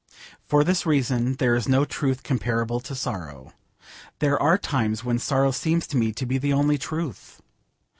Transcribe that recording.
For this reason there is no truth comparable to sorrow. There are times when sorrow seems to me to be the only truth.